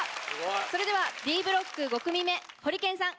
それではＤブロック５組目ホリケンさん